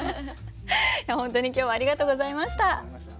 本当に今日はありがとうございました。